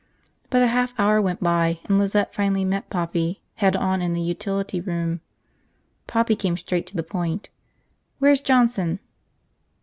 But a half hour went by and Lizette finally met Poppy head on in the utility room. Poppy came straight to the point. "Where's Johnson?"